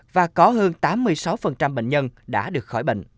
và có hơn tám mươi sáu bệnh nhân đã được khỏi bệnh